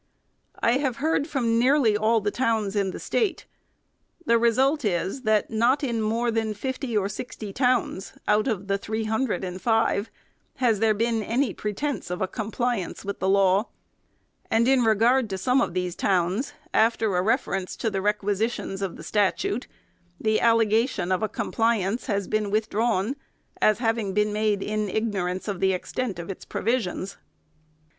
I have heard from nearly all the towns in the State. The result is, that not in more than fifty or sixty towns, out of the three hundred and five, has there been any pretence of a compliance with the law ; and in regard to some of these towns, after a reference to the requisitions of the statute, the allegation of a compliance has been with drawn, as having been made in ignorance1 of the extent of its provisons.